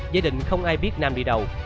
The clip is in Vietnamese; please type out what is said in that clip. gia đình không ai biết nam đi đâu